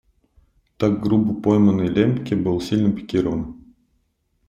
Так грубо пойманный, Лембке был сильно пикирован.